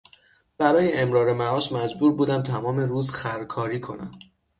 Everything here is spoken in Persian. برای امرار معاش مجبور بودم تمام روز خرکاری کنم.